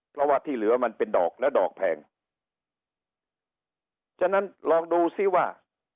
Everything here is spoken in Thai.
เพราะว่าที่เหลือมันเป็นดอกและดอกแพงฉะนั้นลองดูซิว่า